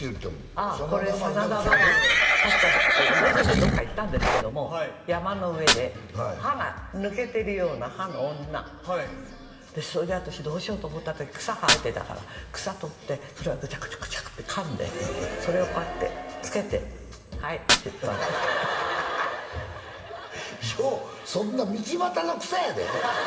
あこれ「真田丸」「真田丸」確かロケでどっか行ったんですけども山の上で歯が抜けてるような歯の女でそれで私どうしようと思った時草生えてたから草取ってそれをグチャグチャグチャって噛んでそれをこうやって付けて「はい」って言ったのようそんな道端の草やで？